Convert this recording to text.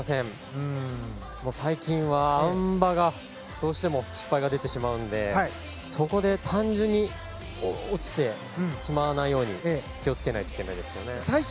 最近は、あん馬がどうしても失敗が出てしまうのでそこで単純に落ちてしまわないように気を付けないといけないですね。